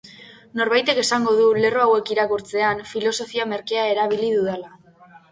Norbaitek esango du lerro hauek irakurtzean, filosofia merkea erabili dudala.